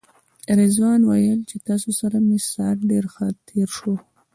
رضوان ویل چې تاسو سره مې ساعت ډېر ښه تېر شو.